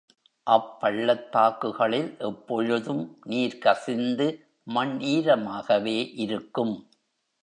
அப் பள்ளத்தாக்குகளில் எப்பொழுதும் நீர் கசிந்து மண் ஈரமாகவே இருக்கும்.